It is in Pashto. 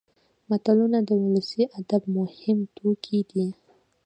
متلونه د ولسي ادب مهم توکي دي